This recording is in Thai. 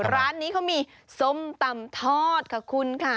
ร้านนี้เขามีส้มตำทอดค่ะคุณค่ะ